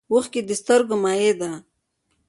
اوښکې د سترګو مایع ده